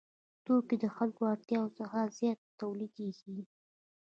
توکي د خلکو له اړتیاوو څخه زیات تولیدېږي